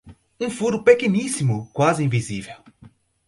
Um furo pequeníssimo, quase invisível.